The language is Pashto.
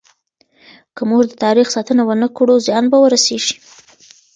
که موږ د تاريخ ساتنه ونه کړو، زيان به رسيږي.